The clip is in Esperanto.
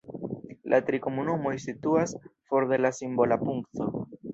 La tri komunumoj situas for de la simbola punkto.